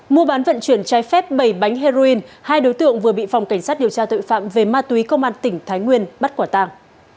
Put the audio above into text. mua bán vận chuyển trái phép bảy bánh heroin hai đối tượng vừa bị phòng cảnh sát điều tra tội phạm về ma túy công an tỉnh thái nguyên bắt quả tàng